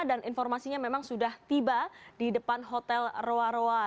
dan informasinya memang sudah tiba di depan hotel rua rua